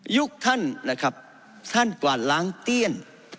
ยุคท่านนะครับท่านกวาดล้างเตี้ยน